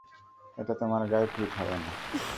এটা তোমার গায়ে ফিট হবে না।